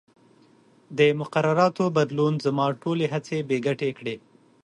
د مقرراتو بدلون زما ټولې هڅې بې ګټې کړې.